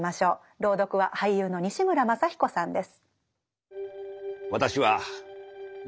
朗読は俳優の西村まさ彦さんです。